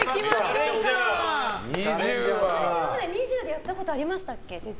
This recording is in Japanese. ２０でやったことありましたっけ？